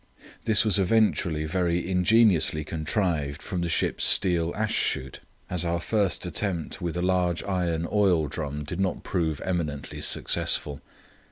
This was eventually very ingeniously contrived from the ship's steel ash shoot, as our first attempt with a large iron oil drum did not prove eminently successful.